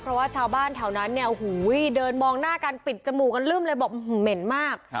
เพราะว่าชาวบ้านแถวนั้นเนี่ยโอ้โหเดินมองหน้ากันปิดจมูกกันลื่มเลยบอกเหม็นมาก